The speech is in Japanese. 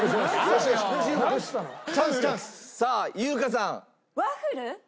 さあ優香さん。